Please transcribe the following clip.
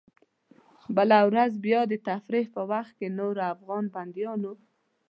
بله ورځ بیا د تفریح په وخت کې نورو افغان بندیانو.